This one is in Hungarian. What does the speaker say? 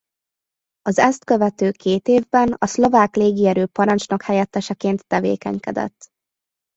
Az ezt követő két évben a Szlovák Légierő parancsnok-helyetteseként tevékenykedett.